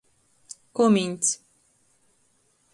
Komins.